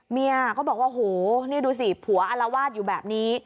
เมียก็บอกว่าโหนี่ดูสิผัวอารวาสอยู่แบบนี้